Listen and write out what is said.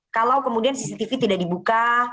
kalau kemudian cctv tidak dibuka